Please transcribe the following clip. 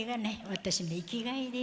私の生きがいです。